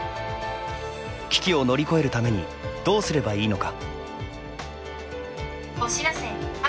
危機を乗り越えるためにどうすればいいのか。